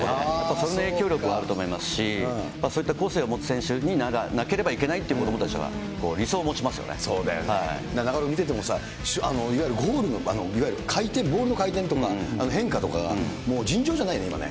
その影響力があると思いますし、そういった個性を持つ選手にならなければいけないって子どもたちそうだよね、中丸君、見てても、いわゆるゴールの場のボールの回転とか、変化とかがもう尋常じゃないね、今ね。